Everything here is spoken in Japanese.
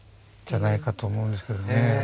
じゃないかと思うんですけどね。